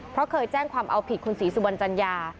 เพราะเคยแจ้งความเอาผิดคุณศรีสุวรรณจัญญา